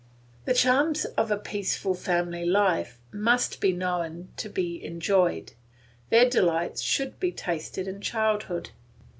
The charms of a peaceful family life must be known to be enjoyed; their delights should be tasted in childhood.